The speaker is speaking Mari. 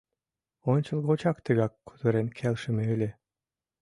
Ончылгочак тыгак кутырен келшыме ыле.